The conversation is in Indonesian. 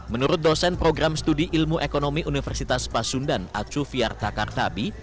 menurut dosen program studi ilmu ekonomi universitas pasundan atsu fyartakartabi